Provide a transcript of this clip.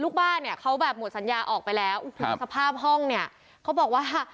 ลูกบ้านเนี่ยเขาแบบหมดสัญญาออกไปแล้วสภาพห้องเนี่ยเขาบอกว่า